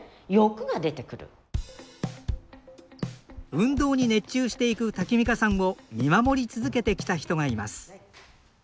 運動に熱中していくタキミカさんを見守り続けてきた人がいます。